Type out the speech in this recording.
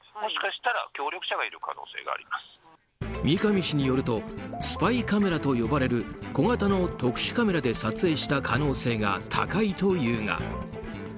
三上氏によるとスパイカメラと呼ばれる小型の特殊カメラで撮影した可能性が高いというが。